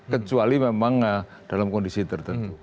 kecuali memang dalam kondisi tertentu